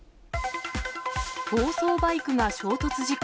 暴走バイクが衝突事故。